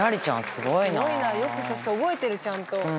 すごいなそしてよく覚えてるちゃんと。